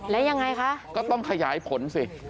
แล้วยังไงคะก็ต้องขยายผลสิ